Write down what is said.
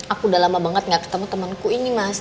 aku udah lama banget gak ketemu temanku ini mas